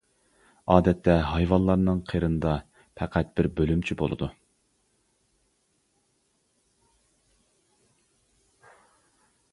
ئادەتتە ھايۋانلارنىڭ قېرىندا پەقەت بىر بۆلۈمچە بولىدۇ.